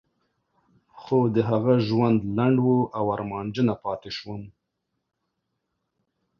خو د هغه ژوند لنډ و او ارمانجنه پاتې شوم.